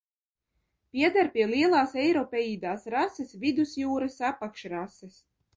Pieder pie lielās eiropeīdās rases Vidusjūras apakšrases.